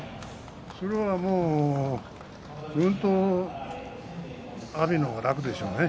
それはもううんと阿炎の方が楽でしょうね。